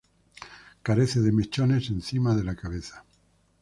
Carece de mechones encima de la cabeza.